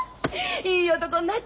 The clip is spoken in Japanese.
いい男になっちゃって！